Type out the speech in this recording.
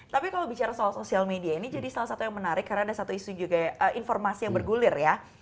tapi kalau bicara soal sosial media ini jadi salah satu yang menarik karena ada satu isu juga ya informasi yang bergulir ya